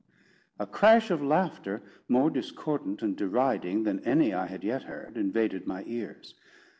A crash of laughter, more discordant and deriding than any I had yet heard, invaded my ears.